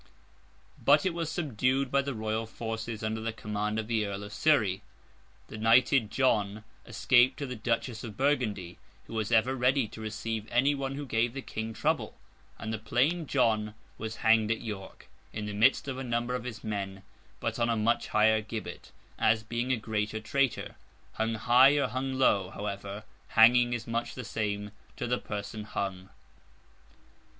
But it was subdued by the royal forces, under the command of the Earl of Surrey. The knighted John escaped to the Duchess of Burgundy, who was ever ready to receive any one who gave the King trouble; and the plain John was hanged at York, in the midst of a number of his men, but on a much higher gibbet, as being a greater traitor. Hung high or hung low, however, hanging is much the same to the person hung.